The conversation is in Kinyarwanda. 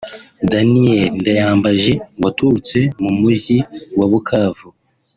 Daniel ndayambaje waturutse mu muyjyi wa Bukavu